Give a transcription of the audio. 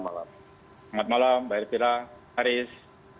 selamat malam mbak elvira haris